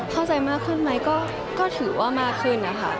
เข้าใจมากขึ้นไหมก็ถือว่ามากขึ้นนะคะ